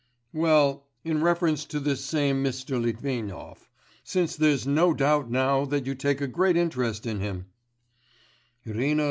'Well, in reference to this same Mr. Litvinov; since there's no doubt now that you take a great interest in him.